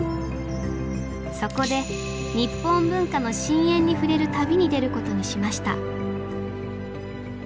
そこで「日本文化の深淵にふれる旅」に出ることにしました